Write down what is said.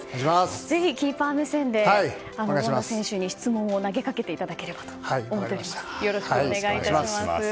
ぜひキーパー目線で権田選手に質問を投げかけていただければと思います。